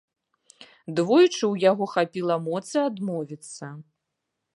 Двойчы ў яго хапіла моцы адмовіцца.